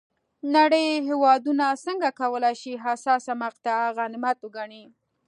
نړۍ هېوادونه څنګه کولای شي حساسه مقطعه غنیمت وګڼي.